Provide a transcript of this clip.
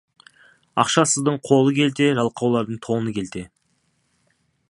Ақшасыздың қолы келте, жалқаулардың тоны келте.